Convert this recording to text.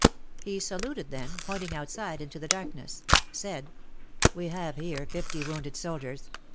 He saluted, then, pointing outside into the darkness, said : "We have here fifty wounded soldiers.